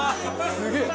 すげえ！